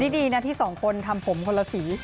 ดีนะที่สองคนทำผมคนละสี